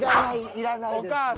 いらないです。